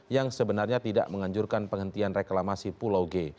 yang sebenarnya tidak menganjurkan penghentian reklamasi pulau g